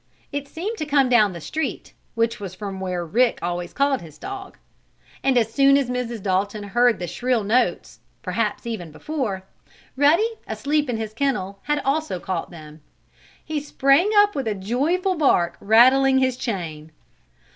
It seemed to come from down the street, which was from where Rick always called his dog. And as soon as Mrs. Dalton had heard the shrill notes, perhaps even before, Ruddy, asleep in his kennel, has also caught them. He sprang up with a joyful bark, rattling his chain.